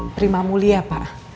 prima mulia pak